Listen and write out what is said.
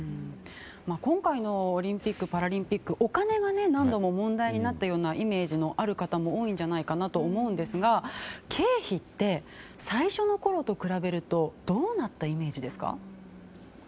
今回のオリンピック・パラリンピックお金が何度も問題になったようなイメージがある方も多いんじゃないかと思うんですが経費って最初のころと比べるとどうなったイメージですか？